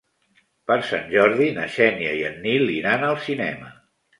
Per Sant Jordi na Xènia i en Nil iran al cinema.